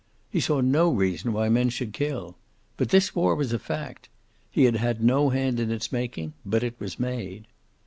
He saw no reason why men should kill. But this war was a fact. He had had no hand in its making, but it was made.